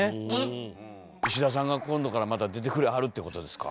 石田さんが今度からまた出てくれはるってことですか？